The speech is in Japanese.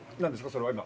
それは今。